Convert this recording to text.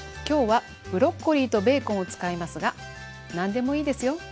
今日はブロッコリーとベーコンを使いますが何でもいいですよ。